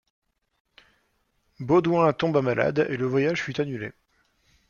Baudoüin tomba malade et le voyage fut annulé.